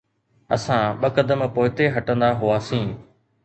اسان ٻه قدم پوئتي هٽندا هئاسين.